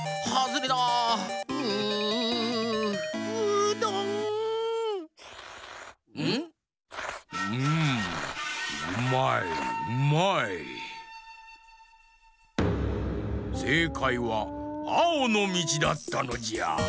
せいかいはあおのみちだったのじゃ。